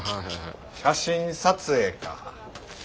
写真撮影か。